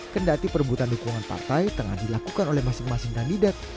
kendati perebutan dukungan partai tengah dilakukan oleh masing masing kandidat